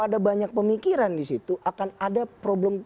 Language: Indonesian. ada pembiaran di situ akan ada problem